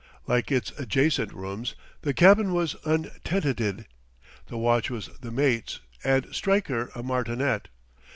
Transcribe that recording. Like its adjacent rooms, the cabin was untenanted; the watch was the mate's, and Stryker a martinet.